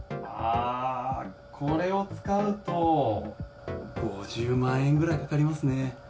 これを使うと５０万円ぐらいかかりますね。